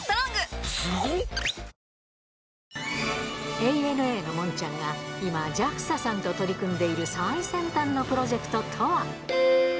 ＡＮＡのモンちゃんが、今、ＪＡＸＡさんと取り組んでいる最先端のプロジェクトとは。